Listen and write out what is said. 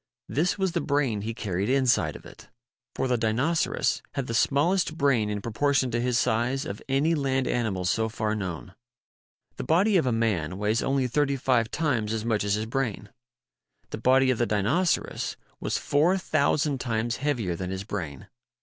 This was the brain he carried inside of it. For the Dinoceras had the small est brain in proportion to his size of any land animal so far known. The body of a man weighs only thirty five times as much as his brain. The body of the Dinoceras was four thousand times heavier than his brain.